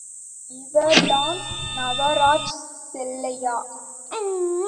இவர்தான் நவராஜ் செல்லையா.